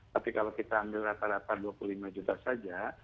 tapi kalau kita ambil rata rata dua puluh lima juta saja